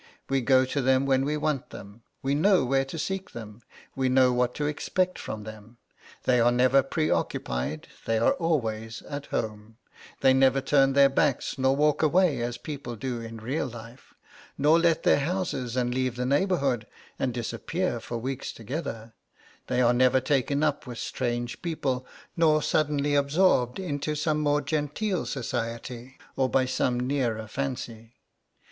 We go to them when we want them. We know where to seek them; we know what to expect from them. They are never preoccupied; they are always 'at home;' they never turn their backs nor walk away as people do in real life, nor let their houses and leave the neighbourhood, and disappear for weeks together; they are never taken up with strange people, nor suddenly absorbed into some more genteel society, or by some nearer fancy.